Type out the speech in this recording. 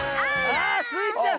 あスイちゃん